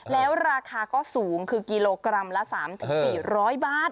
แล้วราคาก็สูงคือกิโลกรัมละ๓๔๐๐บาท